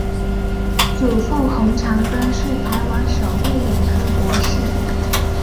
祖父洪长庚是台湾首位眼科博士。